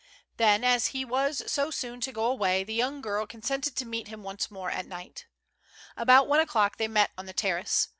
Then, as he was so soon to go away, the j^oung girl con sented to meet him once more at night. At about one o'clock they met on the terrace.